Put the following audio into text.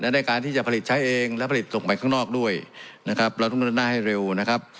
ในในการที่จะผลิตใช้เองและผลิตต้นไปข้างนอกด้วยนะครับเราพุทธนะให้เร็วนะครับ